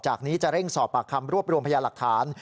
จากนี้จะเร่งสอบปากคำรวบรวมพยาหลักฐาน